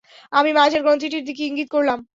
আমি মাঝের গ্রন্থিটির দিকে ইঙ্গিত করলাম।